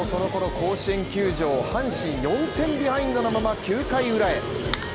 甲子園球場、阪神４点ビハインドのまま９回ウラへ。